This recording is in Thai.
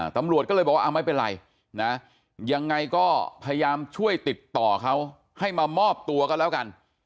ตำรวจก็เลยบอกว่าไม่เป็นไรนะยังไงก็พยายามช่วยติดต่อเขาให้มามอบตัวก็แล้วกัน